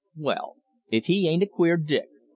"Well, if he ain't a queer dick!